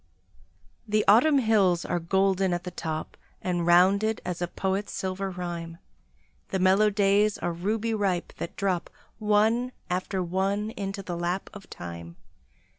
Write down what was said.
The Autumn hills are golden at the top, And rounded as a poet's silver rhyme; The mellow days are ruby ripe, that drop One after one into the lap of time.